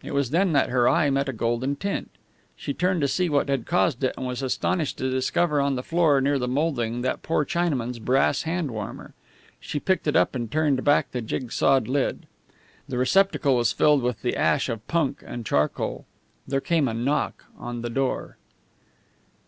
It was then that her eye met a golden glint. She turned to see what had caused it, and was astonished to discover on the floor near the molding that poor Chinaman's brass hand warmer. She picked it up and turned back the jigsawed lid. The receptacle was filled with the ash of punk and charcoal. There came a knock on the door.